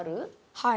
はい。